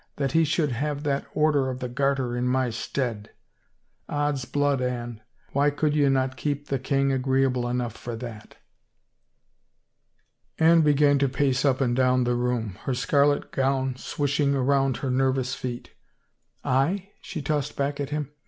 " That he should have that Order of the Garter in my stead ! Od's blood, Anne, why could ye not keep the king agreeable enough for that?" 310 « f RUMORS Anne began to pace up and down the room, her scarlet gown swishing around her nervous feet. " I ?" she tossed back at him.